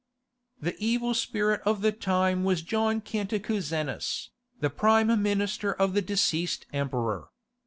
_) The evil spirit of the time was John Cantacuzenus, the prime minister of the deceased emperor.